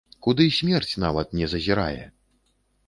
Куды смерць нават не зазірае.